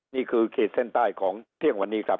นี่คือเครกษ์เส้นใต้ของเทียงวันนี้ครับ